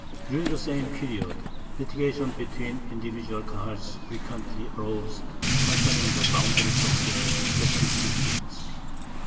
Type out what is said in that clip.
During the same period litigation between individual Kahals frequently arose concerning the boundaries of their respective districts.